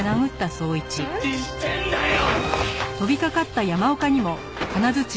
何してんだよ！！